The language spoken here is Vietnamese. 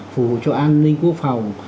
phục vụ cho an ninh quốc phòng